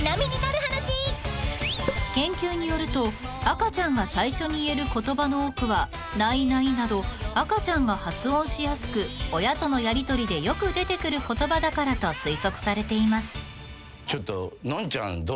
［研究によると赤ちゃんが最初に言える言葉の多くは「ないない」など赤ちゃんが発音しやすく親とのやりとりでよく出てくる言葉だからと推測されています］